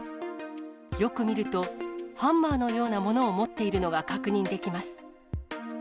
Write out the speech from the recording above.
よく見ると、ハンマーのようなものを持っているのが確認できます。